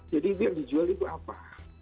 jadi itu yang dijual itu apa